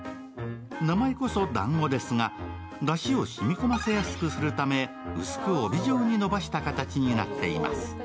名前こそ、だんごですが、だしをしみ込ませやすくするため薄く帯状に伸ばした形になっています。